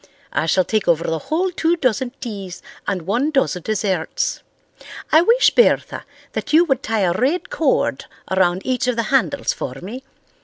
I shall take over the whole two dozen teas and one dozen desserts. I wish, Bertha, that you would tie a red cord around each of the handles for me.